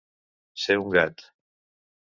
Ser un gat.